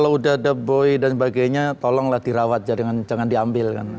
ada boy dan sebagainya tolonglah dirawat jangan diambil kan